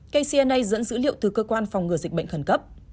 kcna dẫn dữ liệu từ cơ quan phòng ngừa dịch bệnh khẩn cấp